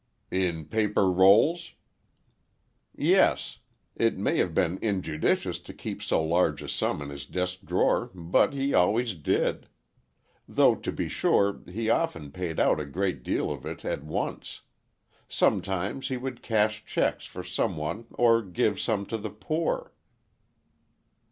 "In paper rolls?" "Yes; it may have been injudicious to keep so large a sum in his desk drawer, but he always did. Though, to be sure, he often paid out a great deal of it at once. Sometimes he would cash checks for some one or give some to the poor."